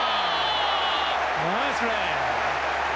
ナイスプレー！